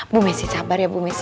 bu messi sabar ya bu messi